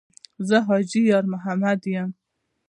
ـ زه حاجي یارمحمد یم.